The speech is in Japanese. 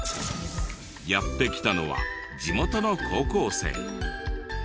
やって来たのは地元の高校生。